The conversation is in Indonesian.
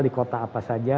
di kota apa saja